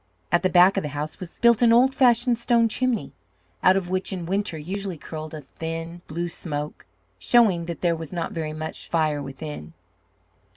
At the back of the house was built an old fashioned stone chimney, out of which in winter usually curled a thin, blue smoke, showing that there was not very much fire within.